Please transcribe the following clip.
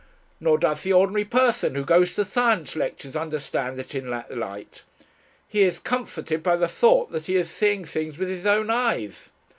"Nor does the ordinary person who goes to Science lectures understand it in that light. He is comforted by the thought that he is seeing things with his own eyes."